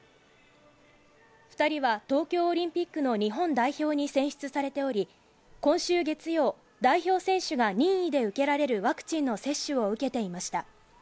２人は東京オリンピックの日本代表に選出されており、今週月曜、代表選手が任意で受けられるワクチンの接種を受けていました。